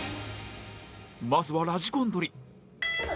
まずはラジコン鳥